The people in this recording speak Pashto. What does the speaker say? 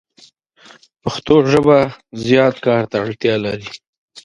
پښتو ژبه زیات کار ته اړتیا لری